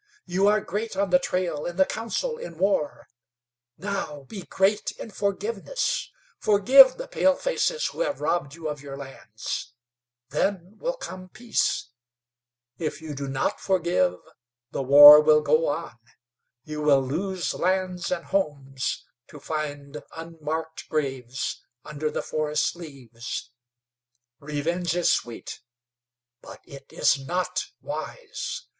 You are great on the trail, in the council, in war; now be great in forgiveness. Forgive the palefaces who have robbed you of your lands. Then will come peace. If you do not forgive, the war will go on; you will lose lands and homes, to find unmarked graves under the forest leaves. Revenge is sweet; but it is not wise.